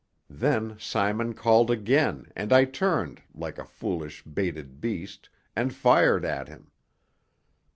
Then Simon called again and I turned, like a foolish, baited beast, and fired at him.